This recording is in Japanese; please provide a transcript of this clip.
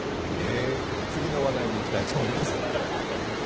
次の話題に行きたいと思います。